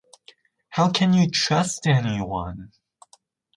How can you trust anyone?